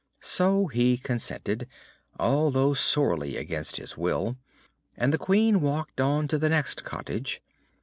So he consented, although sorely against his will, and the Queen walked on to the next cottage.